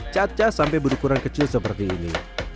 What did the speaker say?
caca sampai berukuran kecil seperti ini